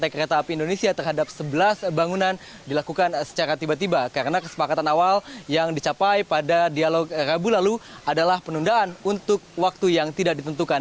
kesepakatan awal yang dicapai pada dialog rabu lalu adalah penundaan untuk waktu yang tidak ditentukan